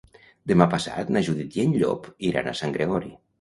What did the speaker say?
Demà passat na Judit i en Llop iran a Sant Gregori.